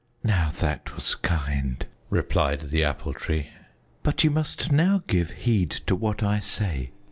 "Now that was kind," replied the Apple Tree, "but you must now give heed to what I say.